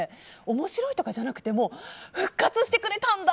面白いとかじゃなくて復活してくれたんだ！